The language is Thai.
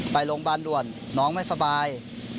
ไปโรงพยาบาลด่วนน้องไม่สบาย